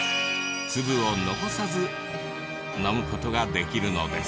粒を残さず飲む事ができるのです。